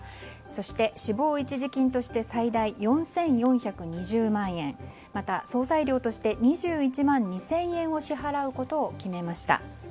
そして、死亡一時金として最大４４２０万円また、葬祭料として２１万２０００円を支払うことを決めました。